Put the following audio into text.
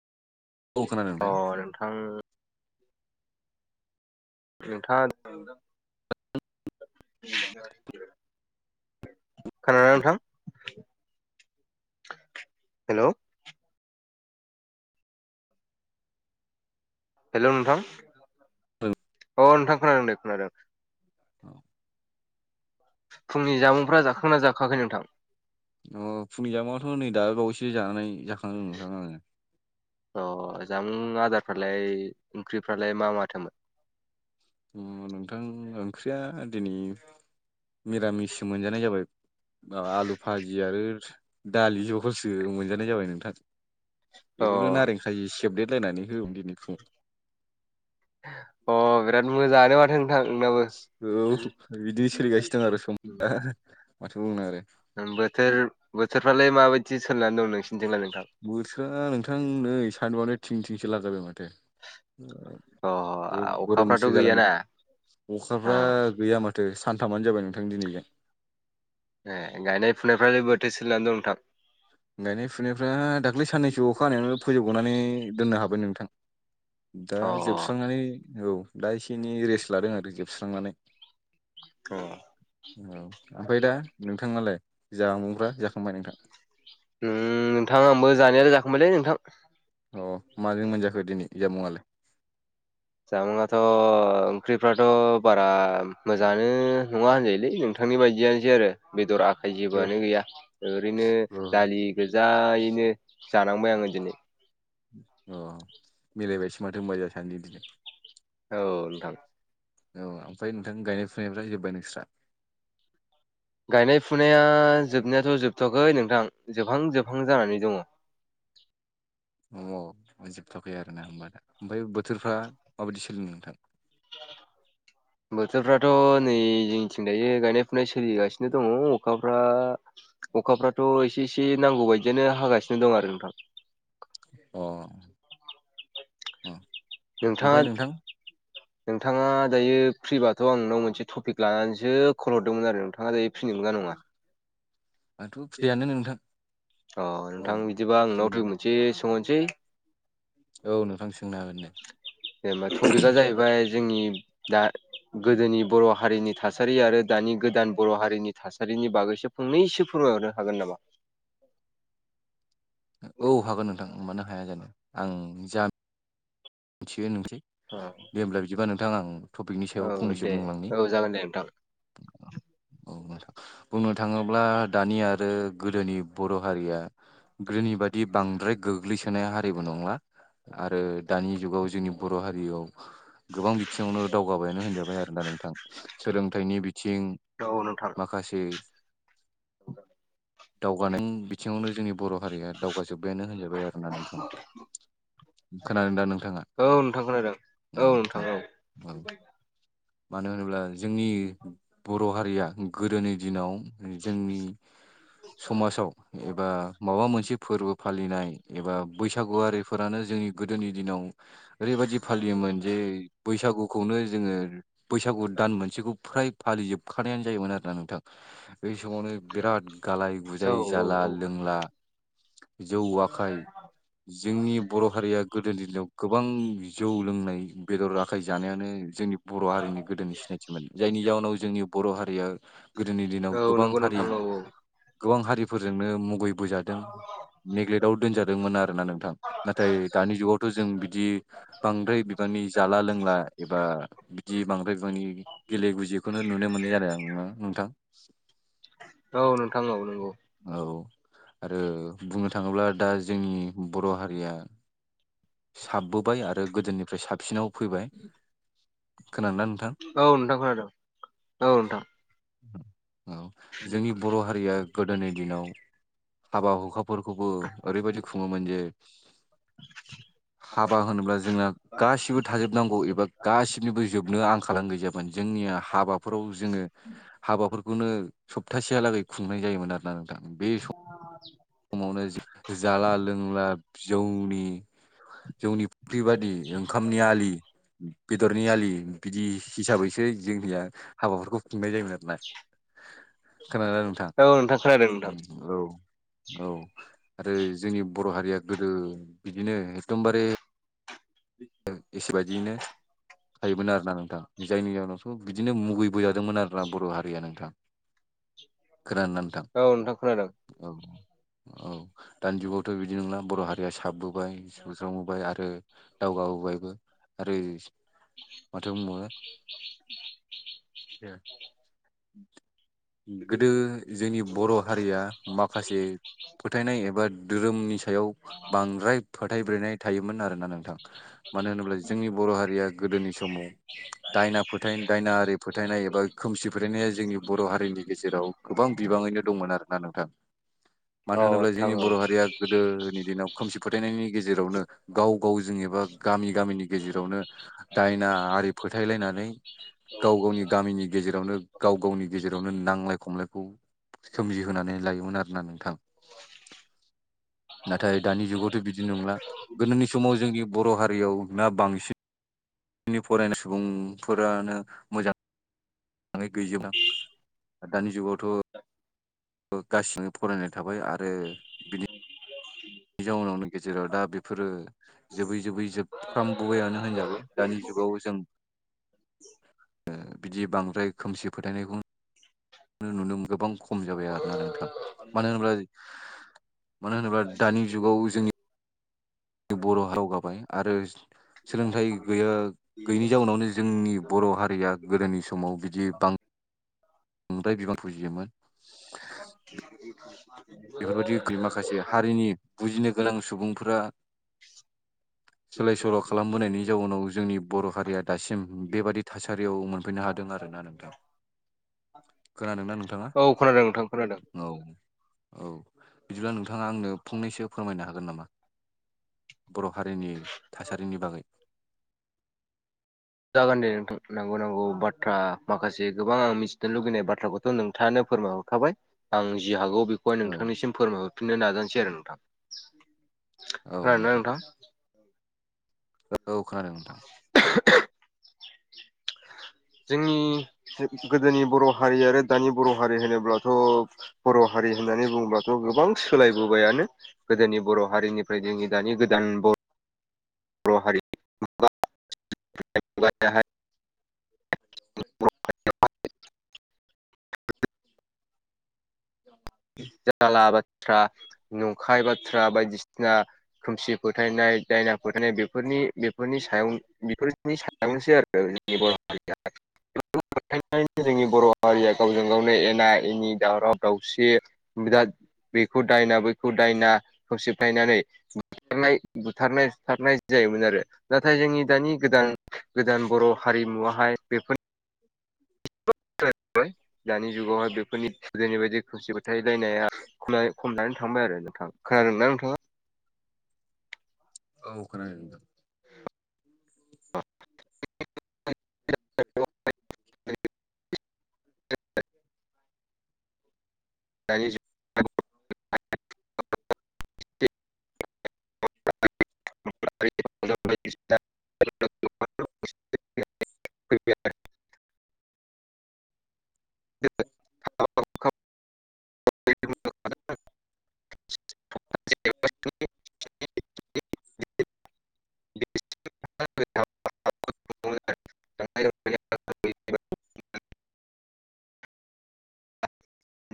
औ खोनादों अ नोंथां नोंथां। नोंथांङा। [unintelligible] खोनादोंना नोंथां? हेल'। हेल' नोंथां अ नोंथां खोनादों दे खोनादों। औ। फुंनि जामुंफ्रा जाखांना जाखांआखै नोंथां? अ फुंनि जामुंङाथ' नै दाबाय बावैसो जानानै जाखांदों नोंथां आङो। अ जामुं आदारफ्रालाय ओंख्रिफ्रालाय मा माथोमोन? अ नोंथां ओंख्रिया दिनै मिरामिससो मोनजानाय जाबाय। ओ आलु भाजि आरो दालि जहलसो मोनजानाय जाबाय नोंथां। अ बेखौनो नारें खायि सेबदेरलायनानै होबाय दिनै फुुंङाव। अ बिराद मोजाङानो माथो नोंथां नोंनाबो। औ बिदिनो सोलिगासिनो दं आरो सम माथो बुंनो आरो। ओं बोथोर बोथोरफ्रालाय माबायदि सोलिनानै दं नोंसोरथिंनालाय? बोथोरा नोंथां नै सानदुंआनो थिं थिंसो लागायबाय माथो। अ बो अखाफ्राथ' गरमसो जागोन गैयाना अ अखाफ्रा गैया मा थो सानथामानो जाबाय नोंथां दिनैजों। ए गायनाय फुनायफ्रालाय बोरैथो सोलिनानै दं नोंथां? गायनाय फुनायफ्रा दाख्लै साननैसो अखा हानायावनो फोजोबग'नानै दोननो हाबाय नोंथां। दा अ जोबस्रांनानै औ दा एसे एनै रेस्ट लादों आरो जोबस्रांनानै। अ उम ओमफ्राय दा नोंथाङालाय जामुंफ्रा जाखांबाय नोंथां? उम नोंथां आंबो जानायालाय जाखांबायलै नोंथां। अ माजों मोनजाखो दिनै जामुवालाय? जामुंआथ' ओंख्रिफ्राथ' बारा मोजाङानो नङा होनजायोलै नोंथां। नोंथांनि बायदियानोसै आरो बेदर आखाइ अ जेबोआनो गैया ओरैनो अ दालि गोजायैनो जानांबाय आङो दिनै अ मिलायबायसो माथो होनबा जोहा सानैजों दिनै औ नोंथां। औ ओमफ्राय नोंथां गायनाय फुनायफ्रा जोबबाय नोंस्रा? गायनाय फुनाया जोबनायाथ' जोबथवाखै नोंथां जोबहां जोबहां जानानै दंङ। औ मोनजोबथ'आखै आरो ना होनबा दा ओमफ्राय बोथोरफ्रा माबायदि सोलिदों नोंथां? [inaudible] बोथोरफ्राथ' नै जोंनिथिं दायो गायनाय फुनाय सोलिगासिनो दङ अखाफ्रा अखाफ्राथ' एसे एसे नांगौ बायदियानो हागासिनो दं आरो नोंथां। अ अ नोंथाङा ओमफ्राय नोंथां नोंथाङा दायो फ्रिबाथ' आं नोंनाव मोनसे टपिक लानानैसो कल हरदोंमोन आरो नोंथाङा दायो फ्रि नंगौना नङा? आंथ' फ्रियानो नोंथां अ औ नोंथां बिदिबा आं नोंनाव सोंनो दुइ हागोन मोनसे सोंहरनोसै। औ नोंथां सोंनो हागोन नो जेनबा टपिकआ जाहैबाय जोंनि दा गोदोनि बर' हारिनि थासारि आरो दानि गोदान बर' हारिनि थासारिनि बागैसो फंनैसो फोरमायहरनो हागोन नामा? औ हागोन नोंथां मानो हाया जानो आं जाम मिथिग्रोनोसै। ओ। दे होमब्ला बिदिबा नोंथां आं औ सायाव फंनैसो दे बुंलांनि औ जागोन दे नोंथां। [inaudible] औ बुंनो थाङोब्ला दानि आरो गोदोनि बर' हारिया गोदोनि बादि बांद्राय गोग्लैसोनाय हारिबो नंला आरो दानि जुगाव जोंनि बर' हारियाव गोबां बिथिङावनो दावगाबायानो होनजाबाय आरोना नोंथां। सोलोंथाइनि बिथिं औ नोंथां माखासे [inaudible] दावगानाय बिथिङावनो जोंनि बर' हारिया दाव गाजोब्बायानो होनजाबाय आरो ना नोंथाङा खोनादों दा नोंथाङा? औ नोंथां खोनादों औ नोंथां औ औ मानो होनोब्ला जोंनि बर' हारिया गोदोनि दिनाव जोंनि समाजाव एबा माबा मोनसे फोरबो फालिनाय एबा बैसागुआरिफोरानो जोंनि गोदोनि दिनाव ओरैबादि फालियोमोन जे बैसागुखौ खौनो जोङो बैसागु दान मोनसेखौ फ्राय फालिजोबखानायानो जायोमोन आरोना नोंथां बै समावनो बिराद गालाय औ गुजाय औ जाला लोंला जौ आखाय [unintelligible] जिल्लायाव गोबां जौ लोंनाय बेदर आखाइ जानायानो जोंनि बर' हारिनि गोदोनि सिनायथि। थि माने जायनि जाहोनाव जोंनि बर' हारिया गोदोनि दिनाव औ औ गोबां नंगौ हारि नोंथां औ गोबां हारिफोरजोंनो मुगैबोजादों नेग्लेटआव दोनजादोंमोन आरोना नोंथां। नाथाय दानि जुगावथ' जों बिदि बांद्राय बिबांनि जाला लोंला एबा बिदि बांद्राय बिबांनि गेले गुजिखौनो नुनो मोनो आरो आं ना नोंथां। औ नोंथां औ नंगौ नंगौ औ आरो बुंनो थाङोब्ला दा जोंनि बर' हारिया साबबोबाय आरो गोदोनिफ्राय साबसिनाव फैबाय। खोनादोंना नोंथां औ नोंथां खोनादों औ नोंथां औ जोंनि बर' हारिया गोदोनि दिनाव हाबा हुखाफोरखौबो ओरैबायाददि खुङोमोन जे [inaudible] हाबा होनोब्ला जोङो गासिबो थाजोबनांगौ एबा गासिनिबो जोबनो आंखाल गैजाबाय जोंनिया हाबाफोराव जोङो हाबाफोरखौनो सप्तासेहालागै खुंनाय जायोमोन आरो ना नोंथां बे सम अ समावनो जाला लोंला जौनि जोंनि बेबादि ओंखामनि आलि बेदरनि आलि बिदि हिसाबैसो जोंनिया हाबाफोरखौ खुंनाय जायोमोन आरो खोनादों ना नोंथां? औ नोंथां खोनादों नोंथां औ औ आरो जोंनि बर' हारिया गोदो बिदिनो एखदमबारे गोसो बादियैनो थायोमोन आरो ना नोंथां जायनि जाहनावथ' बिदिनो मुगैबोजादोंमोन आरोोना बर' हारिया नोंथां खोनाननानै नोंथां औ नोंथां खोनादों औ औ दानि जुगावथ' बिदि नंला बर' हारिया साबबोोबाय सुस्रांबोबाय आरो दावगाबोबायबो आरो माथो [inaudible] गोदो जोंनि बर' हारिया माखासे फोथायनाय एबा धोरोमनि सायाव बांद्राय फोथायब्रोननाय थायोमोन आरोना नोंथां मानो होनब्ला जोंनि बर' हारिया गोदोनि समाव दायना फोथाय दायनाआरि फोथायनाय एबा खोमसि बेओनाय जोंनि बर' हारिनि गेजेराव गोबां बिबाङैनो दंमोन आरोना नोंथां औ मानो होनोब्ला नोंथां जोंनि बर' औ हारिया गोदोनि दिनाव खोमसि फोथायनायनि गेजेरावनो गाव गाव जों एबा गामि गामिनि गेजेरावनो दायना आरि फोथायलायनानै गाव गावनि गामिनि गेजेरावनो गाव गावनि गेजेरावनो नांलाय खमलायखौ सोमजिहोनानै लायोमोन आरोना नोंथां नाथाय दानि जुगावथ' बिदि नंला गोदोनि समाव जोंनि बर' हारियाव ना बांसिन जोंनि फरायनाय सुबुंफोरानो मोजां माङै गैजोबलां दानि जुगावथ' औ गाससिबो फरायनाय थाबाय आरो हिनजाव उनावनि गेजेराव दा बेफोरो जोबै जोबै जोबफ्राम बबेानो होनजाबाय दानि जुगाव जों बिदि बांद्राय खोमसि फोथायनायखौ नुनो गोबां खम जाबाय आरोोना नोंथां मानो होनोब्ला मानो होनोब्ला दानि जुगाव जोंनि बर' राव गाबाय आरो सोलोंथाइ गैया गैयिैनि जाउनावनो जोंनि बर' हारिया गोदोनि समाव बिदि बांसिन बांद्राय बिबान फुजियोमोन [inaudible] बेफोरबायदिख माखासे हारिनि बुजिनो गोनां सुबुंफोरा सोलाय सोल' खालामबोनायनि जाउनाव जोंनि बर' हारिया दासिम बेबादि थासारियाव मोनफैनो हादों आर ना नोंथां खोन नों औ खोनादों नोंथां खोनादों। औ औ बिदिब्ला नोंथाङा आंनो फंनैसो फोरमायनो हागोन नामा? बर' हारिनि थासारिनि बागै। जागोनदे नोंथां नांगौ नांगौ बाथ्रा माखासे गोबां आं मिथिनो लुुबैनाय बाथ्राखौ नोंथाङानो फोरमायहरखाबाय आं जि हागौ बेखौ बेहाय औ नोंथांनिसिम फोरमायहरफिननो नाजानोसै आरो नोंथां खोनादोंना नोंथां औ खोनादों नोंथां [inaudible] जोंनि गोदोनि बर' हारि आरो दानि बर' हारि होनोब्लाथ' बर' हारि होननानै बुंडोंबाथ' गोबां सोलायबोबायानो गोदोनि बर' हारिनिफ्राय जोंनि दानि गोदान बर' हारि द [inaudible] जाला बाथ्रा नंखाय बाथ्रा बायदिसिना खोमसि फोथायनाय दायना फोथायनाय बेफोरनि बेफोरनि सायाव बेफोर सायावनोसै आरो जोंनि बर' हारिया बेखनानै जोंनि बर' हारिया गावजों गावनो एना एनि दावराव दावसि बिराद बेखौ दायना बैखौ दायना खोमसि फोथायनानै बुथारनाय बुथारनायुथारनाय जायोमोन आरो नाथाय जोंनि दानि गोदान गोदान बर' हारिमुवाहाय बेफोर दानि जुगावहाय बेफोरनि गोदोनि बायदि खोमसि फोथायलायनाया ख खमनानै थांबाय आरो नोंथां खोनादों ना नोंथाङा? औ खोनादं नोंथां। [unintelligible] दानि जुगाव [unintelligible] [unintelligible] [unintelligible] [unintelligible] आ [unintelligible] [unintelligible]